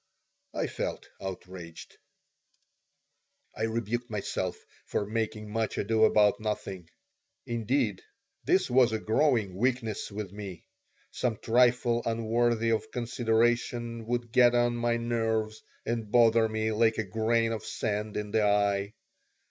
I felt outraged I rebuked myself for making much ado about nothing. Indeed, this was a growing weakness with me. Some trifle unworthy of consideration would get on my nerves and bother me like a grain of sand in the eye.